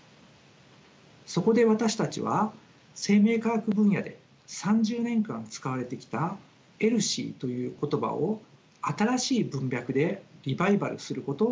そこで私たちは生命科学分野で３０年間使われてきたＥＬＳＩという言葉を新しい文脈でリバイバルすることを試みています。